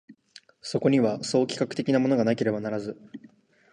そこには総企画的なものがなければならず、